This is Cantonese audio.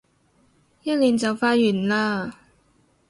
一年就快完嘞